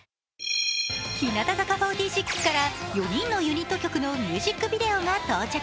日向坂４６から４人のユニット曲のミュージックビデオが到着。